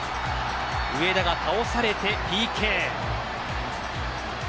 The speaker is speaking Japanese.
上田が倒されてＰＫ。